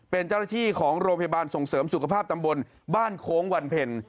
เป็นเจ้าหน้าที่ของโรงพยาบาลส่งเสริมสุขภาพตำบลบ้านโค้งวันเพ็ญ